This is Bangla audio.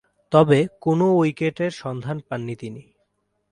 তবে, কোন উইকেটের সন্ধান পাননি তিনি।